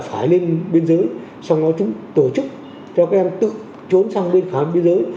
phải lên bên dưới xong chúng tổ chức cho các em tự trốn sang bên khám bên dưới